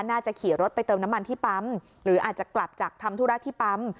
ขี่รถไปเติมน้ำมันที่ปั๊มหรืออาจจะกลับจากทำธุระที่ปั๊ม